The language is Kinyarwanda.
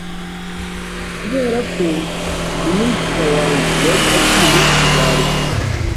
Kubera ko mwishywa wanjye yari akiri muto, yarekuwe.